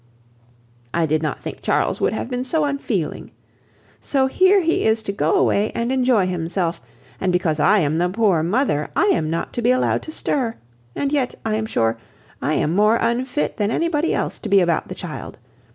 I did not think Charles would have been so unfeeling. So here he is to go away and enjoy himself, and because I am the poor mother, I am not to be allowed to stir; and yet, I am sure, I am more unfit than anybody else to be about the child.